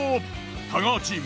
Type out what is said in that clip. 太川チーム